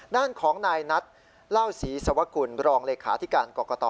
ด้านของนายนัทเล่าศรีสวกุลรองเลขาธิการกรกต